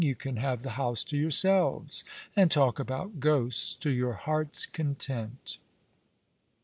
You can have the house to yourselves, and talk about ghosts to your hearts' content."